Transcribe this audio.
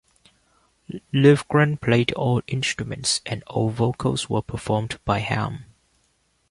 Livgren played all instruments, and all vocals were performed by Ham.